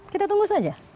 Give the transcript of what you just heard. kita tunggu saja